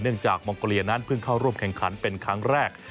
จากมองโกเลียนั้นเพิ่งเข้าร่วมแข่งขันเป็นครั้งแรก